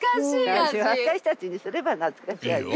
私たちにすれば懐かしい味。